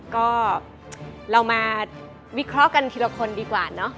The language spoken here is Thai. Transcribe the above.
ก็เรามาวิเคราะห์กันทีละคนดีกว่าเนอะ